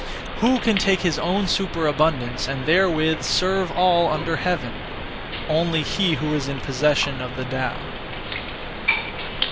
Who can take his own superabundance and therewith serve all under heaven? Only he who is in possession of the Tao!